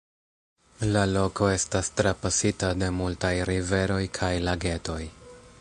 La loko estas trapasita de multaj riveroj kaj lagetoj.